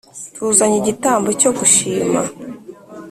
tuzanye igitambo cyo gushima